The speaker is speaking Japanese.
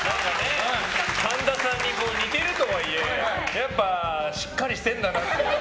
神田さんに似てるとはいえやっぱしっかりしてるんだなって。